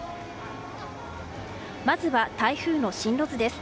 まずは、台風の進路図です。